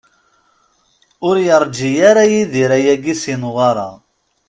Ur yerǧi ara Yidir ayagi si Newwara.